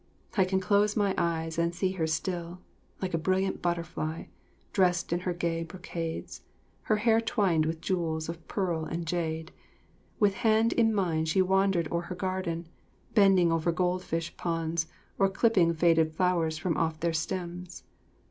I can close my eyes and see her still, like a brilliant butter fly, dressed in her gay brocades, her hair twined with jewels of pearl and jade; with hand in mine she wandered o'er her garden, bending over goldfish ponds, or clipping fading flowers from off their stems.